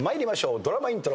ドラマイントロ。